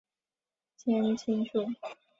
千筋树